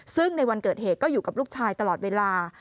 ซึ่งในวันเกิดเหตุก็อยู่กับลูกชายตลอดเวลา